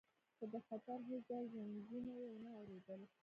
خو د خطر هیڅ ډول زنګونه یې ونه اوریدل